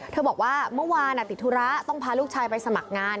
บอกว่าเมื่อวานติดธุระต้องพาลูกชายไปสมัครงาน